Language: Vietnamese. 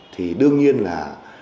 thì đương nhiên là